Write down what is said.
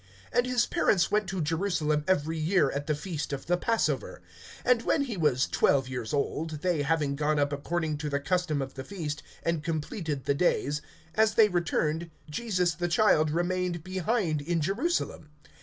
(41)And his parents went to Jerusalem every year at the feast of the passover. (42)And when he was twelve years old, they having gone up according to the custom of the feast, (43)and completed the days, as they returned, Jesus the child remained behind in Jerusalem.